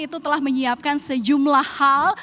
itu telah menyiapkan sejumlah hal